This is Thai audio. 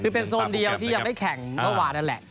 คือเป็นโซนเดียวที่ยังไม่แข่งเมื่อวานนั่นแหละ